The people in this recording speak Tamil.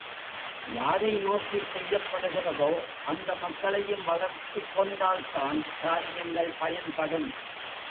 யாரை நோக்கிச் செய்யப்படுகிறதோ அந்த மக்களையும் வளர்த்துக் கொண்டால்தான் காரியங்கள் பயன்படும்.